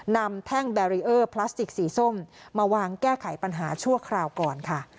แท่งแบรีเออร์พลาสติกสีส้มมาวางแก้ไขปัญหาชั่วคราวก่อนค่ะ